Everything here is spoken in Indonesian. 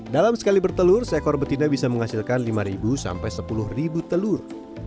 dalam sekali bertelur seekor betina bisa menghasilkan lima sampai sepuluh telur